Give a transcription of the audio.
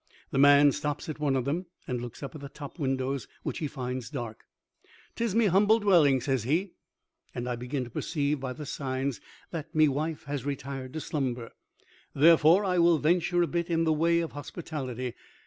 The man stops at one of them and looks up at the top windows which he finds dark. "'Tis me humble dwelling," says he, "and I begin to perceive by the signs that me wife has retired to slumber. Therefore I will venture a bit in the way of hospitality.